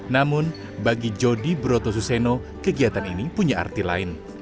namun bagi jody broto suseno kegiatan ini punya arti lain